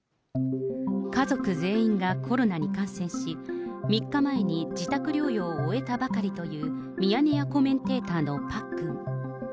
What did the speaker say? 家族全員がコロナに感染し、３日前に自宅療養を終えたばかりというミヤネ屋コメンテーターのパックン。